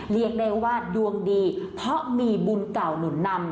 เรียกได้ว่าดวงดีเพราะมีบุญเก่าหนุนนำ